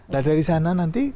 nah dari sana nanti